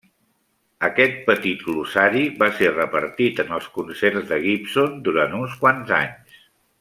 Aquest petit glossari va ser repartit en els concerts de Gibson durant uns quants anys.